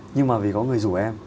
nhưng mà vì có người rủ em